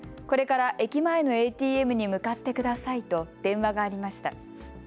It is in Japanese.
これから駅前のＡＴＭに向かってくださいと電話がありました。